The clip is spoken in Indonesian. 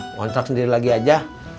ngontrak sendiri lagi aja